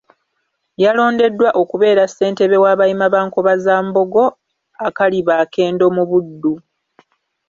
Yalondeddwa okubeera ssentebe w’abayima ba Nkobazambogo Akalibaakendo mu Buddu